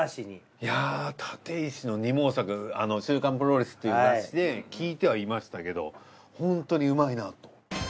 いや立石の二毛作『週刊プロレス』っていう雑誌で聞いてはいましたけどホントにうまいなと。